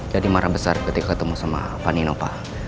jadi marah besar ketika ketemu sama pak nino pak